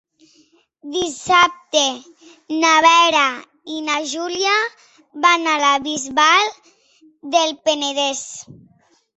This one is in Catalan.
Dissabte na Vera i na Júlia van a la Bisbal del Penedès.